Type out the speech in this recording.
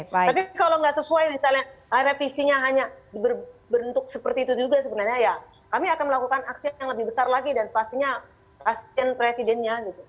tapi kalau nggak sesuai misalnya revisinya hanya berbentuk seperti itu juga sebenarnya ya kami akan melakukan aksi yang lebih besar lagi dan pastinya kasihan presidennya gitu